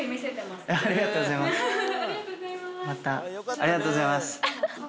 ありがとうございます。